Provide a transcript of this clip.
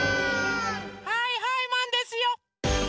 はいはいマンですよ！